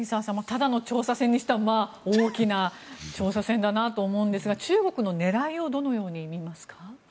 ただの調査船にしては大きな調査船だなと思うんですが中国の狙いをどのように見ますか？